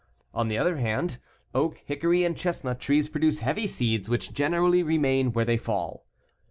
On the other hand, oak, hickory, and chestnut trees produce heavy seeds which generally remain where they fall.